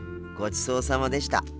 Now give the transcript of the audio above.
ごちそうさまでした。